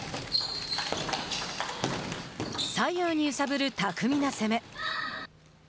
左右に揺さぶる巧みな攻め。